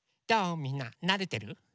みんななれてる？